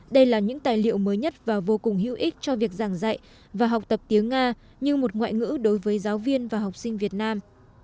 đây là những tài liệu mới nhất và vô cùng hữu ích cho việc giảng dạy và học tập tiếng nga như một ngoại ngữ đối với giáo viên và học sinh việt nam